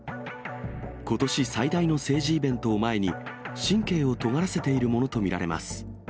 ことし最大の政治イベントを前に、神経をとがらせているものと見られます。